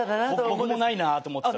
僕もないなと思ってた。